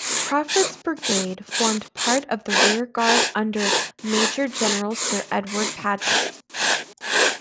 Craufurd's Brigade formed part of the rearguard under Major General Sir Edward Paget.